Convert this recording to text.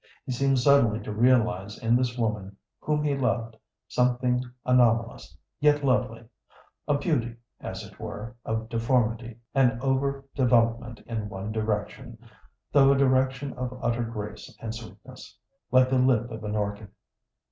He seemed suddenly to realize in this woman whom he loved something anomalous, yet lovely a beauty, as it were, of deformity, an over development in one direction, though a direction of utter grace and sweetness, like the lip of an orchid.